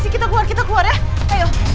kita keluar kita keluar ya ayo